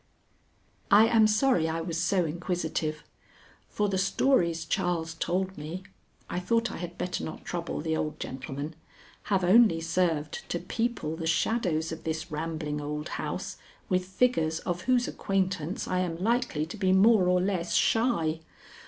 I am sorry I was so inquisitive; for the stories Charles told me I thought I had better not trouble the old gentleman have only served to people the shadows of this rambling old house with figures of whose acquaintance I am likely to be more or less shy.